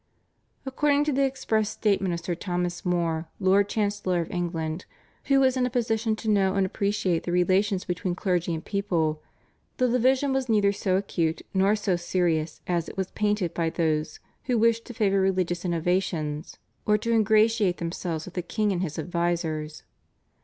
According to the express statement of Sir Thomas More, Lord Chancellor of England, who was in a position to know and appreciate the relations between clergy and people, the division was neither so acute nor so serious as it was painted by those who wished to favour religious innovations or to ingratiate themselves with the king and his advisers.